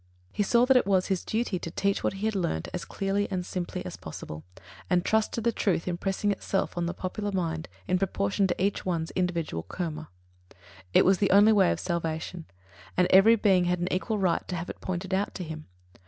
He saw that it was his duty to teach what he had learnt as clearly and simply as possible, and trust to the truth impressing itself upon the popular mind in proportion to each one's individual Karma. It was the only way of salvation, and every being had an equal right to have it pointed out to him.